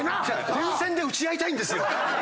前線で撃ち合いたいんですよ。